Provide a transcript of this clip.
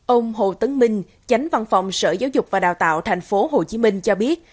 ông hồ tấn minh chánh văn phòng sở giáo dục và đào tạo tp hcm cho biết